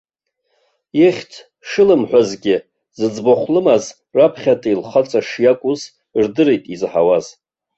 Ихьӡ шылымҳәазгьы, зыӡбахә лымаз раԥхьатәи лхаҵа шиакәыз рдырит изаҳауаз.